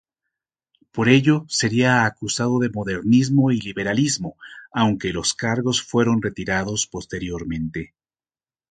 Por ello sería acusado de modernismo y liberalismo, aunque los cargos fueron retirados posteriormente.